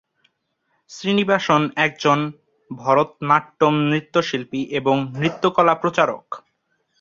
শ্রীনিবাসন একজন ভরতনাট্যম নৃত্যশিল্পী এবং নৃত্যকলা প্রচারক।